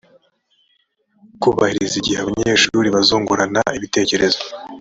kubahiriza igihe abanyeshuri bazungurana ibitekerezo